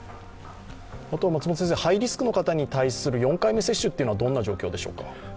ハイリスクの方に対する４回目接種はどんな状況でしょうか？